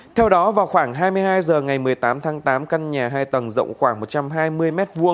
theo đó vào khoảng hai mươi hai giờ ngày một mươi tám tháng tám căn nhà hai tầng rộng khoảng một trăm linh m hai